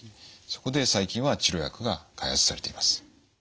そこで最近は治療薬が開発されています。